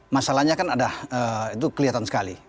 masalahnya kan ada itu kelihatan sekali